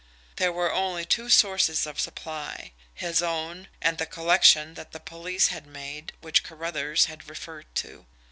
There were only two sources of supply. His own and the collection that the police had made, which Carruthers had referred to.